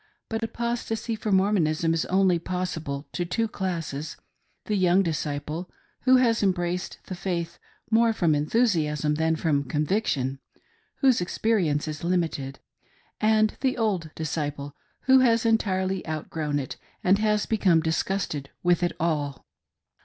But apostasy from Mormonism is only possible to two classes — the young disciple, who has embraced the faith more from enthusiasm than from conviction, whose experience is limited, and the old disciple who has entirely outgrown it, and has become dis gusted with it all.